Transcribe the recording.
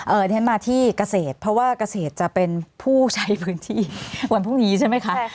เดี๋ยวฉันมาที่เกษตรเพราะว่าเกษตรจะเป็นผู้ใช้พื้นที่วันพรุ่งนี้ใช่ไหมคะ